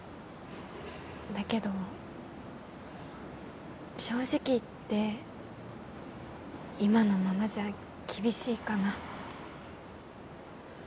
だけど正直言って今のままじゃ厳しいかな。